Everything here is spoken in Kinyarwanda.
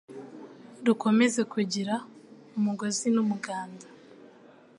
rukomeze kugira umugozi n’umuganda